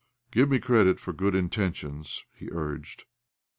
" Give me creidit for good intentions," he urged.